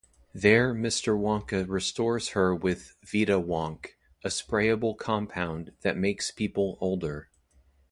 There Mr. Wonka restores her with 'Vita-Wonk', a sprayable compound that makes people older.